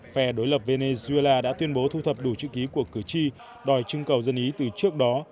phe đối lập venezuela đã tuyên bố thu thập đủ chữ ký của cử tri đòi trưng cầu dân ý từ trước đó